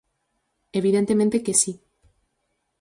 Evidentemente que si.